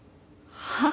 はあ？